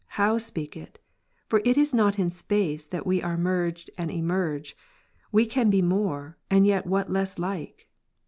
how speak it? For it is not in space that we are merged and emerge. What can be more, and yet what less like